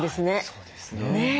そうですね。